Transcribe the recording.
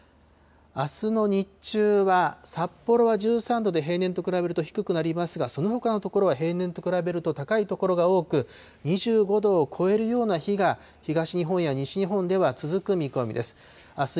あすの日中は、札幌は１３度で平年と比べると低くなりますが、そのほかの所は平年と比べると高い所が多く、２５度を超えるような日が東日本や西日本では続く見込みです。